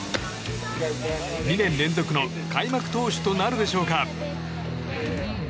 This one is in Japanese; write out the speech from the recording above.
２年連続の開幕投手となるでしょうか。